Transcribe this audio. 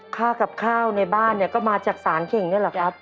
ค่ากับข้าวในบ้านเนี่ยก็มาจากสารเข่งนี่แหละครับ